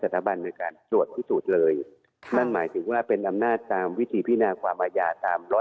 ตรงหมายเป็นหัมหน้าตามวิธีพินาคค์ความอายาตาม๑๕๑